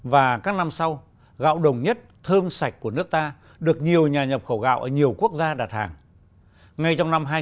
và các năm sau gạo đồng nhất thơm sạch của nước ta được nhiều nhà nhập khẩu gạo việt nam phải trả thêm từ năm mươi đến tám mươi đô la mỹ một tấn gạo đồng nhất